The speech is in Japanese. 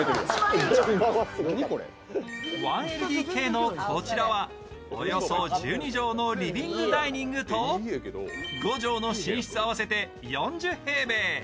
１ＬＤＫのこちらはおよそ１２畳のリビング・ダイニングと５畳の寝室合わせて４０平米。